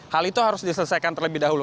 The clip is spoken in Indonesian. hal itu harus diselesaikan terlebih dahulu